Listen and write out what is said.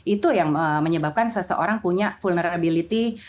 itu yang menyebabkan seseorang punya vulnerability